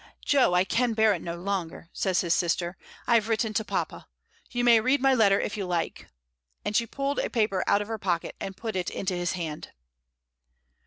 "Jo, I can bear it no longer," says his sister. "I have written to papa. You may read my letter if you like," and she pulled a paper out of her pocket and put it into his hand.